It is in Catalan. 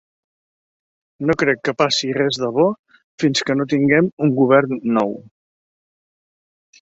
No crec que passi res de bo fins que no tinguem un govern nou.